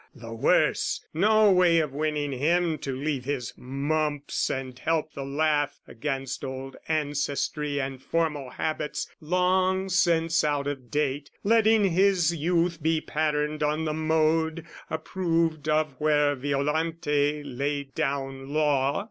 The worse! No way of winning him to leave his mumps And help the laugh against old ancestry And formal habits long since out of date, Letting his youth be patterned on the mode Approved of where Violante laid down law.